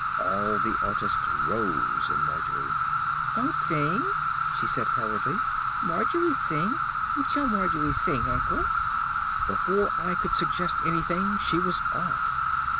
All the artist rose in Margery. "Don't sing," she said hurriedly; "Margie sing. What shall Margie sing, uncle?" Before I could suggest anything she was off.